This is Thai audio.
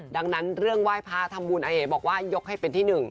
ดังนั้นเรื่องไหว้พระทำบุญอาเอ๋บอกว่ายกให้เป็นที่หนึ่ง